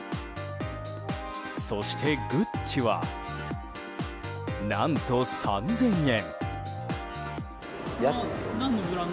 そしてグッチは何と３０００円。